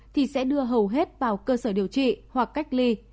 thì sẽ đưa hầu hết vào cơ sở điều trị hoặc cách ly